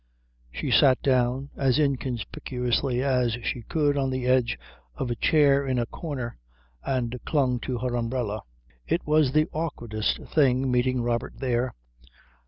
She sat down as inconspicuously as she could on the edge of a chair in a corner and clung to her umbrella. It was the awkwardest thing meeting Robert there.